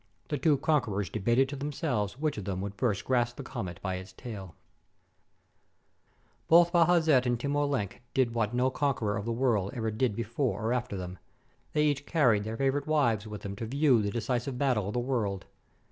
The two conquerors debated to themselves which of them would first grasp the comet by its tail ! Both Bajazet and Timur Lenk did what no conqueror of the world ever did before or after them. They each carried their favorite wives with them to view the deci sive battle of the world